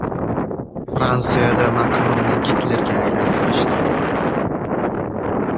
Fransiyada Makronni Gitlerga aylantirishdi